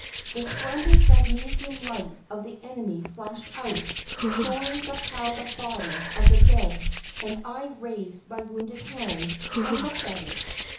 The splendid magnesium light of the enemy flashed out, showing the piled up bodies of the dead, and I raised my wounded hand and looked at it.